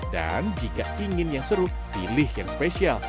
dan jika ingin yang seru pilih yang spesial